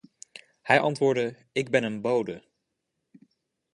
Hij antwoordde: "ik ben een bode"